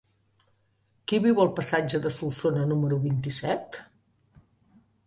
Qui viu al passatge de Solsona número vint-i-set?